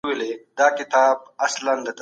کوچیان کولی شي په ځان متکي شي.